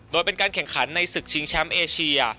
โดยเป็นการแข่งขันในศึกชิงแชมป์เอเชีย